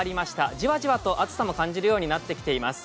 じわじわと暑さも感じるようになってきます。